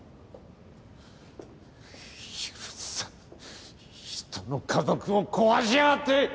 許さん人の家族を壊しやがって！